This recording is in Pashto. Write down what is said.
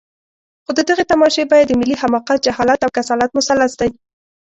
خو د دغې تماشې بیه د ملي حماقت، جهالت او کسالت مثلث دی.